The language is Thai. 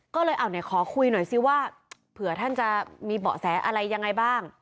ก็เลยเอาเนี่ยขอคุยหน่อยซิว่าเผื่อท่านจะมีเบาะแสอะไรยังไงบ้าง